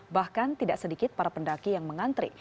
bahkan tidak sedikit para pendaki yang mengantri